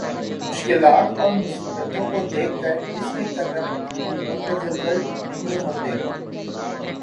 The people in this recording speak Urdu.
مشکلات اور مصیبتوں کو دیکھ کر اس کے قدم متزلزل نہیں ہوتے